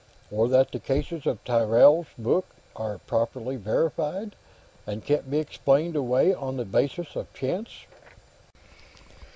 Or that the cases in Tyrrell's book are properly verified, and can't be explained away on the basis of chance?"